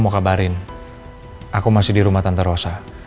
mau kabarin aku masih di rumah tante rosa